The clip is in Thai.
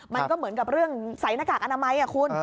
มันก็เหมือนกับเรื่องใส่หน้ากากอนามัยคุณ